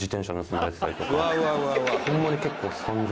ホンマに結構散々。